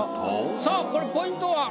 さあこれポイントは？